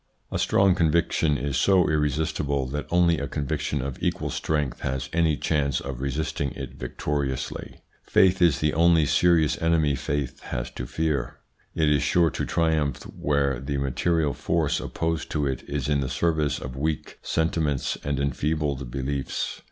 A strong conviction is so irresistible that only a conviction of equal strength has any chance of resisting it victoriously. Faith is the only serious enemy faith has to fear. It is sure to triumph where the material force opposed to it is in the service of weak sentiments and enfeebled beliefs.